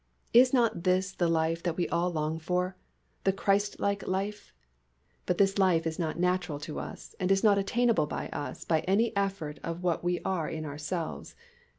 Is not this the life that we all long for, the Christlike life? But this life is not natural to us and is not attainable by us by any effort of what we are in ourselves.